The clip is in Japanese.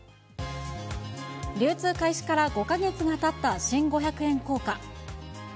流通開始から５か月がたった新五百円硬貨。